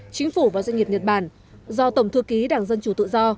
chính phủ và doanh nghiệp nhật bản do tổng thư ký đảng dân chủ tự do